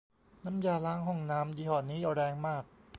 น้ำยาล้างห้องน้ำยี่ห้อนี้แรงมาก